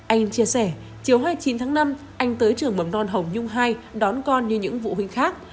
anh chia sẻ chiều hai mươi chín tháng năm anh tới trường mầm non hồng nhung hai đón con như những phụ huynh khác